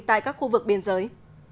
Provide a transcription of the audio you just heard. tại các khu vực biên giới